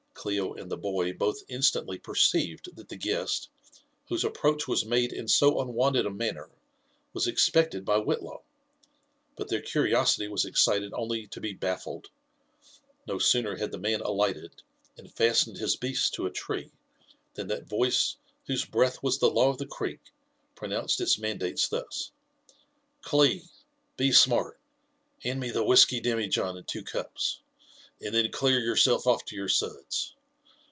Clio and the boy both instantly perceived that the guest whose ap* proach was made in so unwonted a manner, was expected by Whit law; but their curiosity was excited only to be baffled : no sooner had the man alighted, and fastened his beast to a tree, than that voice whose breath was the law of the Creek pronounced its mandates thus: —*' Clil be smart — hand me the whisky demi john and two cups— and then clear yourself off to your suds.